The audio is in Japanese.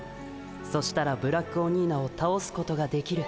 そしたらブラックオニーナをたおすことができる。